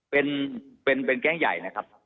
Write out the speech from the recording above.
เป็นแก๊งใหญ่นะครับ